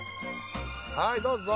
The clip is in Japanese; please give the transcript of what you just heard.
はいどうぞ。